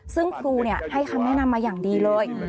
ซึ่งครูให้คำแนะนำมาอย่างดีเลย